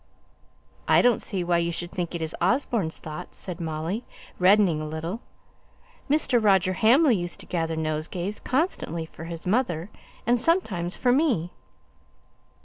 "I don't see why you should think it is Osborne's thought!" said Molly, reddening a little. "Mr. Roger Hamley used to gather nosegays constantly for his mother, and sometimes for me."